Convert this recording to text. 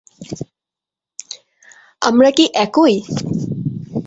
আমরা কি একই?